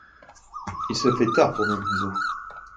Il se fait tard pour mes vieux os.